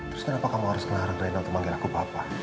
terus kenapa kamu harus kenal rekrena untuk manggil aku papa